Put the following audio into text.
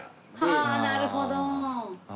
はあなるほど。